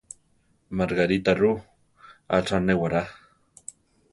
Margarita ru, atza néwará.